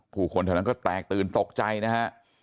คนแถวนั้นก็แตกตื่นตกใจนะฮะ